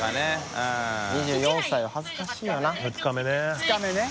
２日目ね。